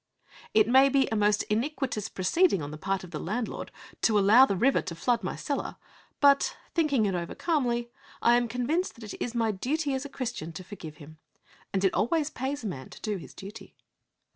It may be a most iniquitous proceeding on the part of the landlord to allow the river to flood my cellar but, thinking it over calmly, I am convinced that it is my duty as a Christian to forgive him. And it always pays a man to do his duty.